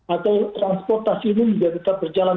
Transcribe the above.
atau transportasi ini juga tetap berjalan